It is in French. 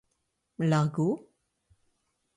l'argot?